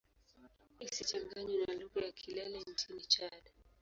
Isichanganywe na lugha ya Kilele nchini Chad.